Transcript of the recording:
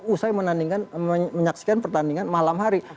usai menyaksikan pertandingan malam hari